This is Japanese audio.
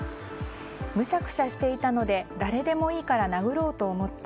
むしゃくしゃしていたので誰でもいいから殴ろうと思った。